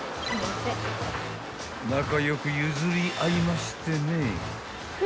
［仲良く譲り合いましてね］